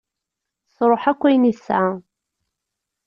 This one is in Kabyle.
Tesruḥ akk ayen i tesεa.